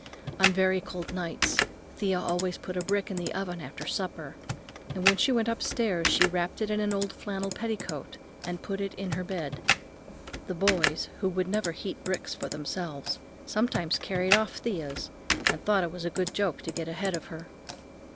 On very cold nights Thea always put a brick in the oven after supper, and when she went upstairs she wrapped it in an old flannel petticoat and put it in her bed. The boys, who would never heat bricks for themselves, sometimes carried off Thea's, and thought it a good joke to get ahead of her.